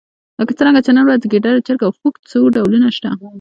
لکه څرنګه چې نن ورځ د ګېدړې، چرګ او خوګ څو ډولونه شته.